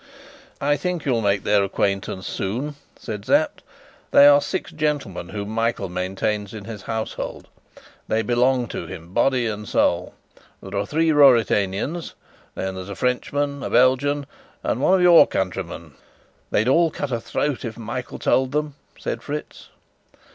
"I think you'll make their acquaintance soon," said Sapt. "They are six gentlemen whom Michael maintains in his household: they belong to him body and soul. There are three Ruritanians; then there's a Frenchman, a Belgian, and one of your countrymen." "They'd all cut a throat if Michael told them," said Fritz.